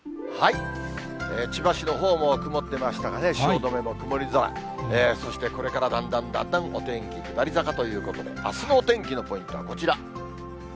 千葉市のほうも曇ってましたがね、汐留も曇り空、そしてこれからだんだんだんだんお天気下り坂ということで、あすのお天気のポイントはこちら。